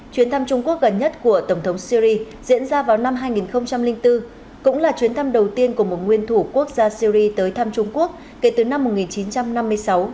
chuyến thăm trung quốc gần nhất của tổng thống syri diễn ra vào năm hai nghìn bốn cũng là chuyến thăm đầu tiên của một nguyên thủ quốc gia syri tới thăm trung quốc kể từ năm một nghìn chín trăm năm mươi sáu